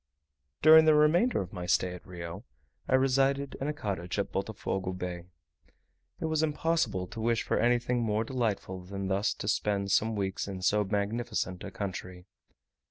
During the remainder of my stay at Rio, I resided in a cottage at Botofogo Bay. It was impossible to wish for anything more delightful than thus to spend some weeks in so magnificent a country.